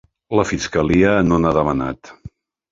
La fiscalia no n’ha demanat.